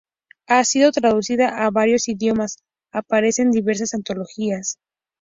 Ha sido traducida a varios idiomas, aparece en diversas antologías.